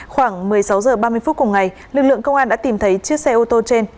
khoảng một mươi sáu h ba mươi phút cùng ngày lực lượng công an đã tìm thấy chiếc xe ô tô trên